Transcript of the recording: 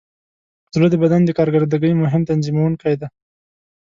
زړه د بدن د کارکردګۍ مهم تنظیموونکی دی.